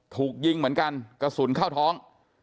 ถูกยิงเหมือนกันกระสุนเข้าท้อง